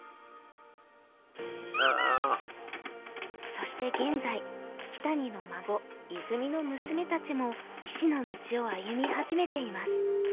そして現在木谷の孫泉美の娘たちも棋士の道を歩み始めています。